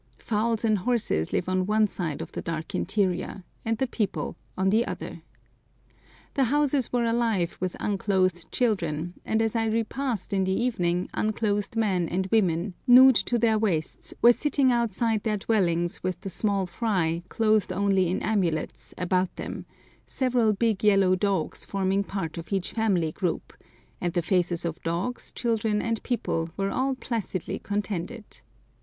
Fowls and horses live on one side of the dark interior, and the people on the other. The houses were alive with unclothed children, and as I repassed in the evening unclothed men and women, nude to their waists, were sitting outside their dwellings with the small fry, clothed only in amulets, about them, several big yellow dogs forming part of each family group, and the faces of dogs, children, and people were all placidly contented!